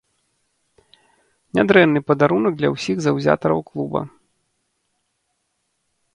Нядрэнны падарунак для ўсіх заўзятараў клуба.